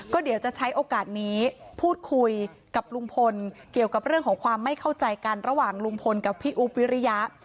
ก็เดี๋ยวจะใช้โอกาสนี้พูดคุยกับลุงพลเกี่ยวกับเรื่องของความไม่เข้าใจกันระหว่างลุงพลกับพี่อุ๊บวิริยะ